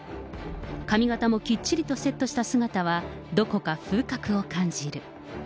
髪形もきっちりとセットした姿は、どこか風格を感じる。